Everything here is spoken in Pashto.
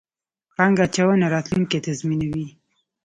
پانګه اچونه، راتلونکی تضمینوئ